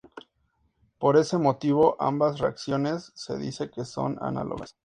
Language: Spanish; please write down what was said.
Por este motivo ambas reacciones se dice que son análogas.